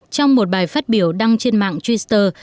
trong một bài phát biểu đăng trên mạng twitter